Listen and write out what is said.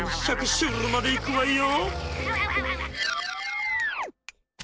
シュールまでいくわよ。